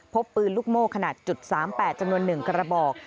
พบปืนลูกโม่ขนาด๓๘จำนวน๑กระบอก